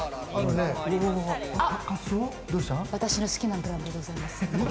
私の好きなブランドでございます。